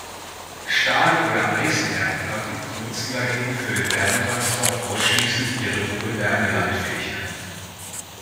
Stahl- oder Eisen-Herdplatten nutzen dagegen für den Wärmetransport ausschließlich ihre hohe Wärmeleitfähigkeit.